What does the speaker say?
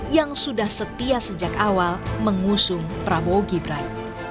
yang sudah setia sejak awal mengusung prabowo gibran